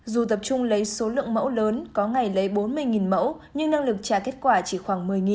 dù tập trung lấy số lượng mẫu lớn có ngày lấy bốn mươi mẫu nhưng năng lực trả kết quả chỉ khoảng một mươi